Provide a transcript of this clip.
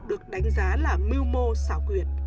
được đánh giá là mưu mô xảo quyệt